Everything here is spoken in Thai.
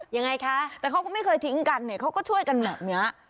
ยังไงคะแต่เขาก็ไม่เคยทิ้งกันเนี่ยเขาก็ช่วยกันแบบนี้